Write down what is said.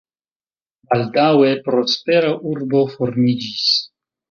Baldaŭe prospera urbo formiĝis.